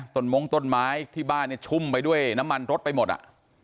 มงต้นไม้ที่บ้านเนี่ยชุ่มไปด้วยน้ำมันรถไปหมดอ่ะ